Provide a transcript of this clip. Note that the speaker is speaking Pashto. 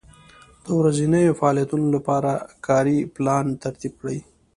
د ورځنیو فعالیتونو لپاره کاري پلان ترتیب کړئ.